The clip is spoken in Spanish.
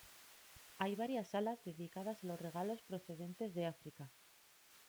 Hay varias salas dedicadas a los regalos procedentes de África.